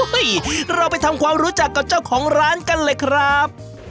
เราไปทำความรู้จักกับเจ้าของร้านกันเลยครับ